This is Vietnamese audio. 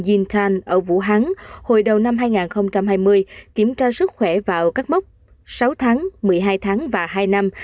bệnh viện jinjin tan ở vũ hán hồi đầu năm hai nghìn hai mươi kiểm tra sức khỏe vào các mốc sáu tháng một mươi hai tháng và hai năm